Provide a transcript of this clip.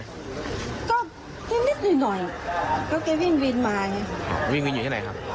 ก็นิดหน่อยหน่อยก็ก็วิ่นวินมาไงหออวิ่นวิ่นอยู่ที่ไหนครับ